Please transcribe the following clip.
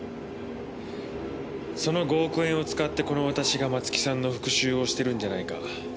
その５億円を使ってこの私が松木さんの復讐をしてるんじゃないか。